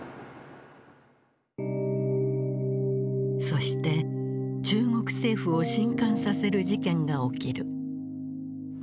そして中国政府を震撼させる事件が起きる。